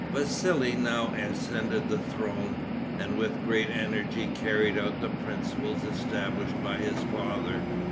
Vassili now ascended the throne, and with great energy carried out the principles established by his father.